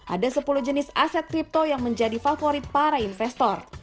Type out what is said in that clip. ada sepuluh jenis aset kripto yang menjadi favorit para investor